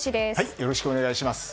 よろしくお願いします。